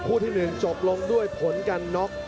คู่ที่หนึ่งจบลงด้วยผลกันน็อค